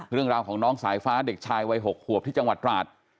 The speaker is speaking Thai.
เรื่องราวของน้องสายฟ้าเด็กชายวัย๖ขวบที่จังหวัดตราด